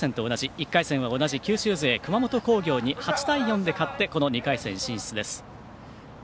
１回戦は同じ九州勢、熊本工業に８対４で勝って２回戦進出です。